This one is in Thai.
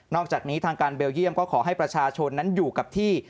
อกจากนี้ทางการเบลเยี่ยมก็ขอให้ประชาชนนั้นอยู่กับที่